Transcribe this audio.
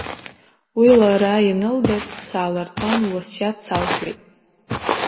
Уи лара ианылдыр, саалыртәан, луасиаҭ салҳәеит.